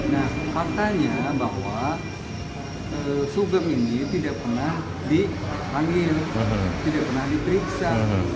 nah faktanya bahwa sugeng ini tidak pernah dipanggil tidak pernah diperiksa